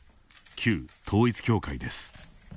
旧統一教会です。